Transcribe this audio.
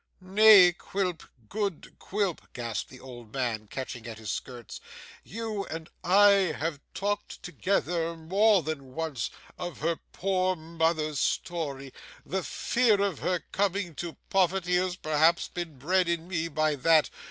'Nay, Quilp, good Quilp,' gasped the old man, catching at his skirts, 'you and I have talked together, more than once, of her poor mother's story. The fear of her coming to poverty has perhaps been bred in me by that.